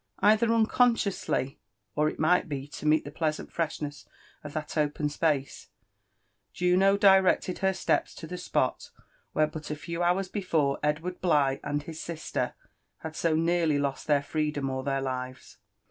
Either nneoihscfonsly, or H nrright be to meet the pleasant fn^shnesrf ^ thai open space, Jtino directed her steps to the spot il^here but a tevf hours before Edward Bligh aild his sister had so nearly lost their freedom or their live».